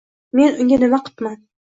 Men unga nima qipman